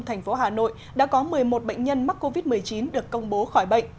thành phố hà nội đã có một mươi một bệnh nhân mắc covid một mươi chín được công bố khỏi bệnh